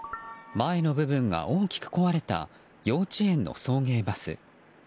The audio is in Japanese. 前の部分が大きく壊れた幼稚園の送迎バス。